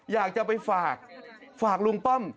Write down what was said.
อยากจะไปฝากฝากลุงป้อม